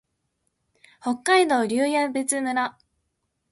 北海道留夜別村